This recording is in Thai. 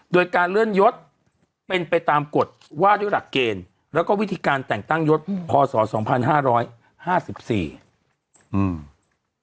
โดยการเลื่อนยศเป็นไปตามกฎว่าด้วยหลักเกณฑ์แล้วก็วิธีการแต่งตั้งยศพศสองพันห้าร้อยห้าสิบสี่อืม